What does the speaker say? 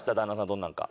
どんなのか。